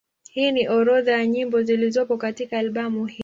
Hii ni orodha ya nyimbo zilizopo katika albamu hii.